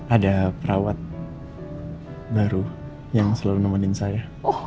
ada perawat baru yang selalu nemenin saya